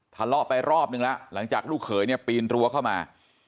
ทะเลาะไปรอบนึงแล้วหลังจากลูกเขยเนี่ยปีนรั้วเข้ามา